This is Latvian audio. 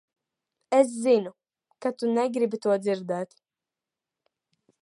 Es zinu, ka tu negribi to dzirdēt.